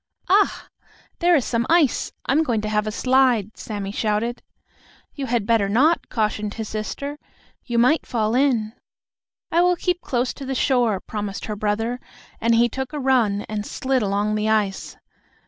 "Ah! There is some ice. I am going to have a slide!" Sammie shouted. "You had better not!" cautioned his sister. "You might fall in." "I will keep close to the shore," promised her brother, and he took a run and slid along the ice.